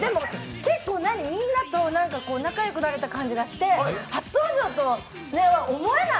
結構、みんなと仲良くなれた感じがして初登場とは思えない。